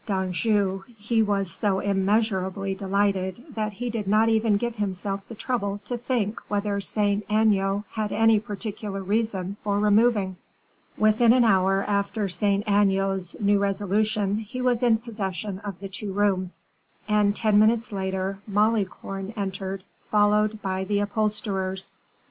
Dangeau, he was so immeasurably delighted, that he did not even give himself the trouble to think whether Saint Aignan had any particular reason for removing. Within an hour after Saint Aignan's new resolution, he was in possession of the two rooms; and ten minutes later Malicorne entered, followed by the upholsterers.